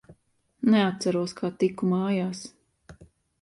Neatceros, kā tiku mājās.